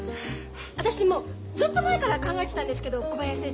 私もうずっと前から考えてたんですけど小林先生